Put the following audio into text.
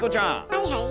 はいはい。